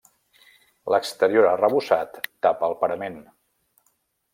L'exterior arrebossat tapa el parament.